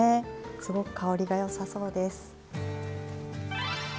すごく香りがよさそうです。